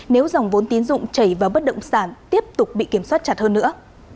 nếu dòng vốn tín dụng chảy vào bất động sản tiếp tục bị kiểm soát chặt hơn nữa